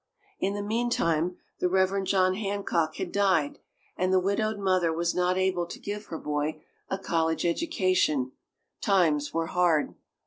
In the meantime the Reverend John Hancock had died, and the widowed mother was not able to give her boy a college education times were hard.